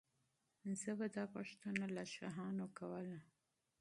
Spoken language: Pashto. زه به دا پوښتنه له شاهانو کوله.